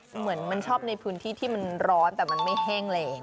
เหมือนมันชอบในพื้นที่ที่มันร้อนแต่มันไม่แห้งแรง